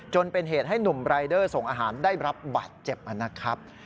จนเป็นเหตุให้หนุ่มรายเดอร์ส่งอาหารได้รับบาดเจ็บนะครับ